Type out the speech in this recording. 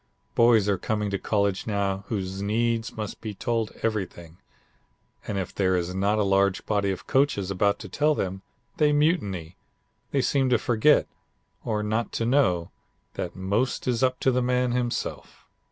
Boys are coming to college now who needs must be told everything, and if there is not a large body of coaches about to tell them, they mutiny. They seem to forget, or not to know, that most is up to the man himself.